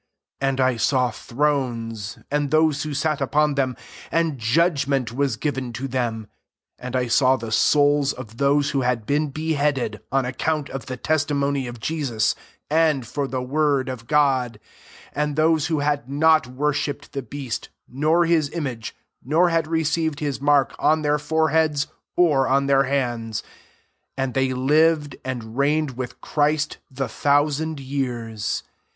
4 And I saw thrones, and those who sat upon them, and judgment was given to them : and 1 8aw the souls of those who had been beheaded on account of the testimony of Jesus, and for the word of God, and those who had not worshipped the beast, nor his image, nor had received hia mark on their foreheads or on their hands ; and they lived, and reigned with Christ [the] thousand years.